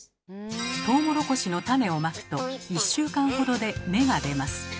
トウモロコシの種をまくと１週間ほどで芽が出ます。